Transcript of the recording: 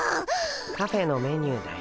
カフェのメニューだよ。